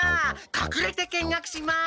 かくれて見学します！